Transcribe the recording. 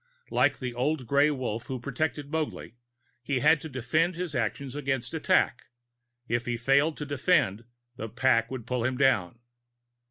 Like the Old Gray Wolf who protected Mowgli, he had to defend his actions against attack; if he failed to defend, the pack would pull him down.